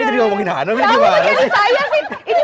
ini tuh diomongin anak anak ini gimana sih